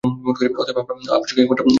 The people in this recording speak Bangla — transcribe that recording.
অতএব আমাদের আবশ্যক একমাত্র বল বা শক্তি।